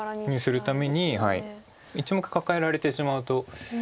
するために１目カカえられてしまうと。